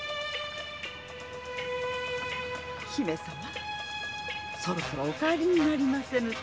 姫様そろそろお帰りになりませんと。